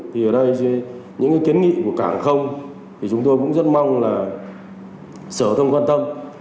thì ở đây những kiến nghị của cảng không chúng tôi cũng rất mong là sở thông quan tâm